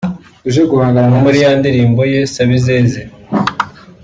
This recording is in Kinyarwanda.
(nko muri ya ndirimbo) “Ye Sabizeze